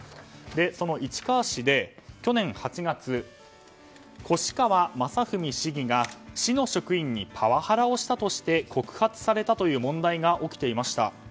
その市川市で去年８月越川雅史市議が市の職員にパワハラをしたとして告発されたという問題が起きていました。